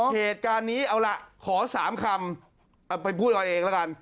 เหตุการณ์นี้เอาล่ะขอ๓คำไปพูดกันเองแล้วกัน